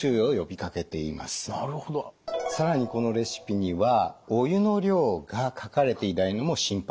更にこのレシピにはお湯の量が書かれていないのも心配なんです。